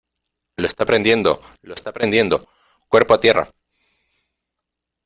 ¡ Lo esta prendiendo !¡ lo esta prendiendo !¡ cuerpo a tierra !